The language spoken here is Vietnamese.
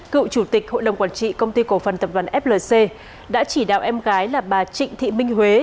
cựu chủ tịch hội đồng quản trị công ty cổ phần tập đoàn flc đã chỉ đạo em gái là bà trịnh thị minh huế